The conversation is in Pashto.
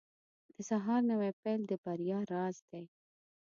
• د سهار نوی پیل د بریا راز دی.